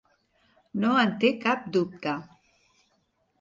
No en té cap dubte.